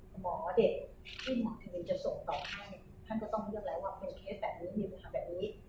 หมอเด็กที่หมอเทินจะส่งต่อให้ท่านก็ต้องเลือกแล้วว่าเป็นเคสแบบนี้มีปัญหาแบบนี้